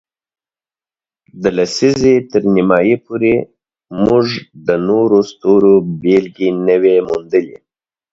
د لسیزې تر نیمایي پورې، موږ د نورو ستورو بېلګې نه وې موندلې.